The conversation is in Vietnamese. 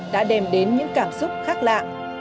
đã đem đến những cảm xúc khác lạ